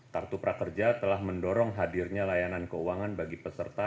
kartu prakerja telah mendorong hadirnya layanan keuangan bagi peserta